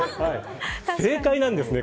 正解なんですね